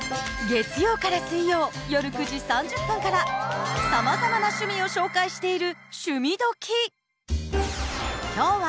月曜から水曜夜９時３０分からさまざまな趣味を紹介している「趣味どきっ！」。